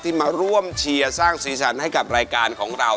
มาร่วมเชียร์สร้างสีสันให้กับรายการของเรา